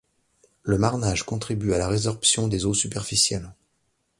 Le marnage contribue à la résorption des eaux superficielles.